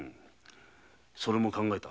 それも考えた。